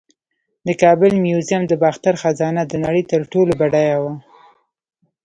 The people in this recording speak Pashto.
د کابل میوزیم د باختر خزانه د نړۍ تر ټولو بډایه وه